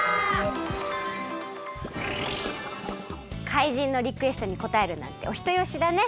かいじんのリクエストにこたえるなんておひとよしだね。